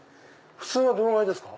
普通はどのぐらいですか？